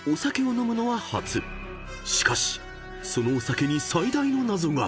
［しかしそのお酒に最大の謎が］